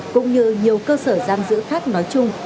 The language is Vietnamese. cũng như nhiều cơ sở giam giữ khác nói chung